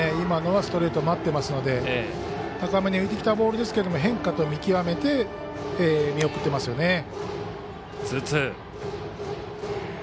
今のはストレート待っていますので高めに浮いてきたボールですが変化と見極めて見送ってますよね。